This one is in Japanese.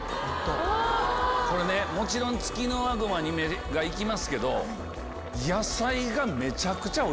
これねもちろんツキノワグマに目が行きますけど。